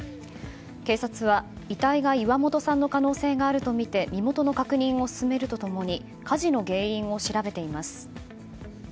警察は遺体が岩本さんの可能性があるとみて身元の確認を進めると共に火事の原因を調べています。